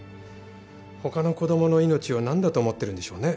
他の子供の命を何だと思ってるんでしょうね。